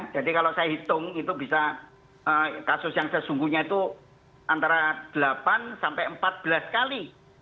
jadi kalau saya hitung itu bisa kasus yang sesungguhnya itu antara delapan sampai empat belas kali